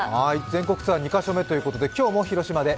全国ツアー２か所目ということで、今日も広島で？